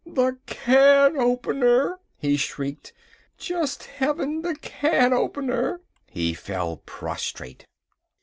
"The can opener!" he shrieked, "just Heaven, the can opener." He fell prostrate.